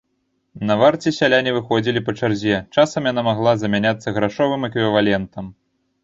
На варце сяляне выходзілі па чарзе, часам яна магла замяняцца грашовым эквівалентам.